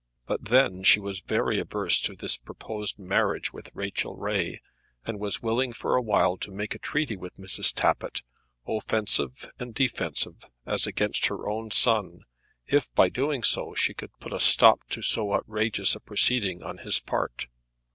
But then she was very averse to this proposed marriage with Rachel Ray, and was willing for a while to make a treaty with Mrs. Tappitt, offensive and defensive, as against her own son, if by doing so she could put a stop to so outrageous a proceeding on his part.